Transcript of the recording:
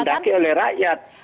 diterundaki oleh rakyat